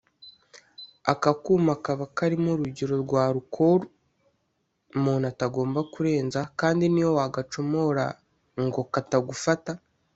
Aka kuma kaba karimo urugero rwa alcool umuntu atagomba kurenza kandi n’iyo wagacomora ngo katagufata